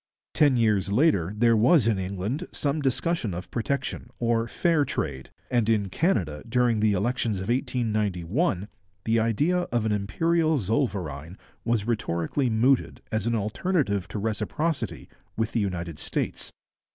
Ten years later there was in England some discussion of protection or 'fair trade,' and in Canada, during the elections of 1891, the idea of an imperial zollverein was rhetorically mooted as an alternative to reciprocity with the United States.